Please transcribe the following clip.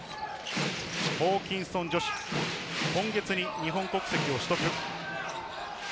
ホーキンソン・ジョシュ、今月に日本国籍を取得。